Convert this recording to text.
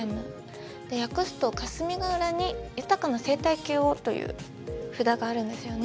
訳すと「霞ヶ浦に豊かな生態系を」という札があるんですよね。